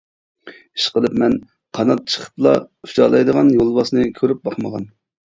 ئىشقىلىپ مەن قانات چىقىپلا ئۇچالايدىغان يولۋاسنى كۆرۈپ باقمىغان.